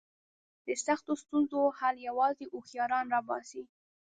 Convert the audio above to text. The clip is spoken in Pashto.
د سختو ستونزو حل یوازې هوښیاران را باسي.